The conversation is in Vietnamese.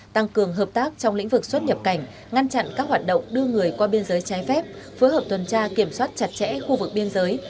tăng cường hợp tác trong lĩnh vực xuất nhập cảnh ngăn chặn các hoạt động đưa người qua biên giới trái phép phối hợp tuần tra kiểm soát chặt chẽ khu vực biên giới